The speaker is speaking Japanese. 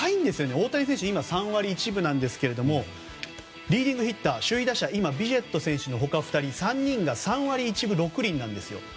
大谷選手、今、打率３割１分１厘なんですがリーディングヒッター首位打者はビシェット選手と他２人３人が３割１分６厘なんです。